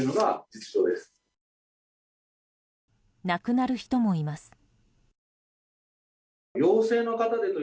亡くなる人もいます。